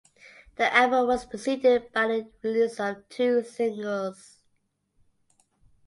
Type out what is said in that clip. The album was preceded by the release of two singles.